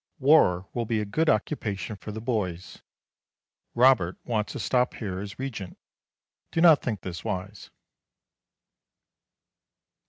War will be a good occupation for the boys. Robert wants to stop here as Regent. Do not think this wise.